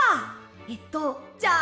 えっとじゃあ。